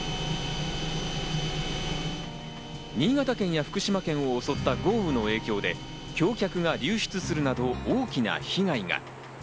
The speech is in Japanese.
新潟県や福島県を襲った豪雨の影響で、橋脚が流失するなど大きな被害が。